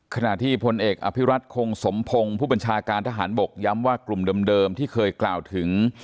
ขณะที่พลเอกอภิรัตคงสมพงศ์ผู้บัญชาการทหารบกย้ำว่ากลุ่มเดิมที่เคยกล่าวถึง